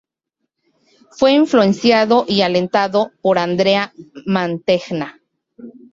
Fue influenciado y alentado por Andrea Mantegna.